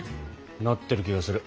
なってる気がする。